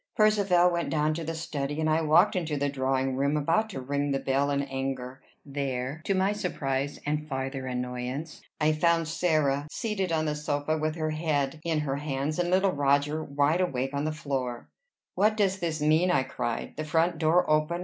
Percivale went down to the study; and I walked into the drawing room, about to ring the bell in anger. There, to my surprise and farther annoyance, I found Sarah, seated on the sofa with her head in her hands, and little Roger wide awake on the floor. "What does this mean?" I cried. "The front door open!